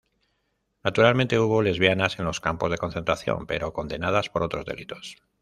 Naturalmente hubo lesbianas en los campos de concentración, pero condenadas por otros delitos.